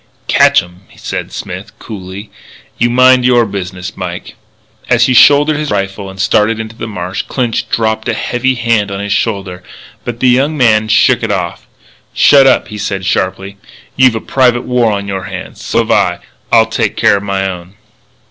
"Catch 'em," said Smith, coolly. "You mind your business, Mike." As he shouldered his rifle and started into the marsh, Clinch dropped a heavy hand on his shoulder; but the young man shook it off. "Shut up," he said sharply. "You've a private war on your hands. So have I. I'll take care of my own."